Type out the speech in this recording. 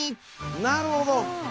なるほど。